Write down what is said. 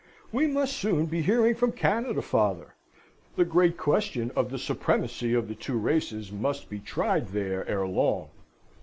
We must soon be hearing from Canada, father. The great question of the supremacy of the two races must be tried there ere long!"